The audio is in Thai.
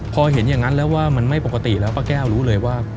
พอเห็นอย่างนั้นแล้วว่ามันไม่ปกติแล้วป้าแก้วรู้เลยว่า